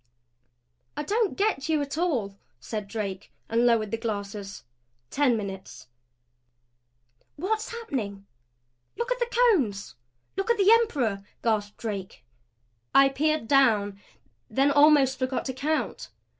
"I don't get you at all," said Drake, and lowered the glasses. Ten minutes. "What's happening? Look at the Cones! Look at the Emperor!" gasped Drake. I peered down, then almost forgot to count.